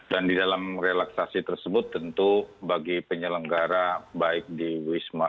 dan di dalam relaksasi tersebut tentu bagi penyelenggara baik di wisma